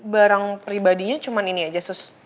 barang pribadinya cuma ini aja susah